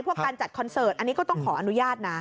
การจัดคอนเสิร์ตอันนี้ก็ต้องขออนุญาตนะ